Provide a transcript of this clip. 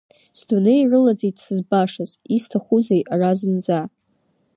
Сдунеи рылаӡит сызбашаз, исҭахузеи ара зынӡа.